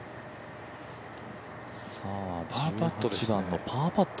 １８番のパーパット。